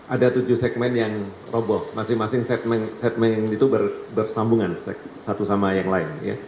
ada tujuh segmen yang roboh masing masing segmen itu bersambungan satu sama yang lain